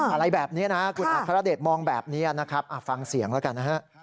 อะไรแบบนี้คุณอัคราเดชมองแบบนี้ฟังเสียงแล้วกัน